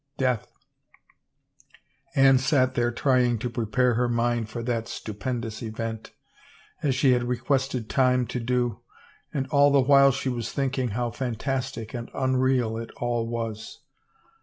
Death! Anne sat there trying to prepare her mind for that stupendous event, as she had requested time to do, and all the while she was thinking how fantastic and unreal it all was.